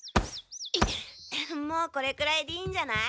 もうこれくらいでいいんじゃない？